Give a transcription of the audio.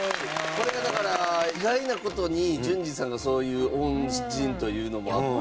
これがだから意外な事に純次さんがそういう恩人というのもあって。